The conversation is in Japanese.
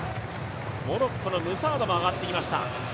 モロッコのムサードも上がってきました。